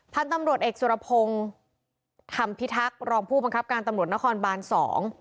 พันธุ์ตำรวจเอกสุรพงศ์ธรรมพิทักษ์รองผู้บังคับการตำรวจนครบานสอง